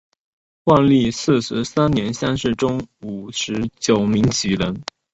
万历四十三年乡试中五十九名举人。